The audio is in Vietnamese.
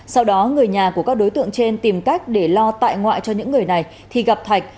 sau đó người nhà của các đối tượng trên tìm cách để lo tại ngoại cho những người này thì gặp thạch